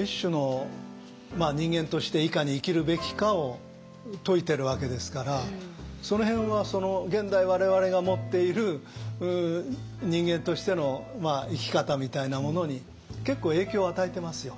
一種の人間としていかに生きるべきかを説いてるわけですからその辺は現代我々が持っている人間としての生き方みたいなものに結構影響与えてますよ。